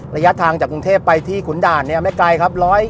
ระยะทางจากกรุงเทพไปที่ขุนด่านเนี่ยไม่ไกลครับ